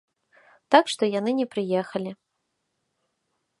Так што яны не прыехалі.